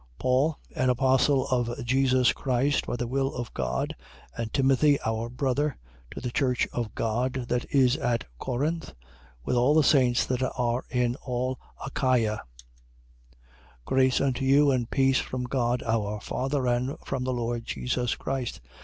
1:1. Paul, an apostle of Jesus Christ by the will of God, and Timothy our brother: to the church of God that is at Corinth, with all the saints that are in all Achaia: 1:2. Grace unto you and peace from God our Father and from the Lord Jesus Christ.